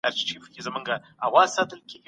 کوچني کاروبارونه د اقتصاد ملا تړي.